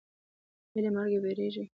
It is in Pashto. ایا له مرګ ویریږئ؟